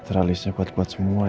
terlalisnya buat buat semua ya